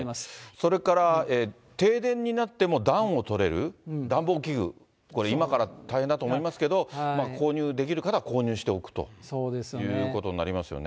それから停電になっても暖をとれる、暖房器具、これ、今から大変だと思いますけれども、購入できる方は購入しておくということになりますよね。